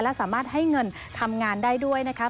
และสามารถให้เงินทำงานได้ด้วยนะคะ